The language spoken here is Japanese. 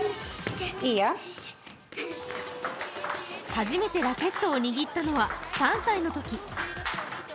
初めてラケットを握ったのは３歳のとき。